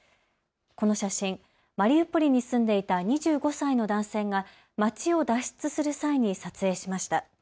この写真、マリウポリに住んでいた２５歳の男性が町を脱出する際に撮影しました。